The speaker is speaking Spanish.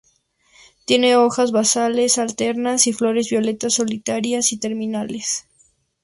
Tiene hojas basales alternas y flores violetas solitarias y terminales.